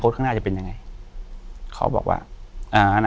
อยู่ที่แม่ศรีวิรัยยิวยวลครับ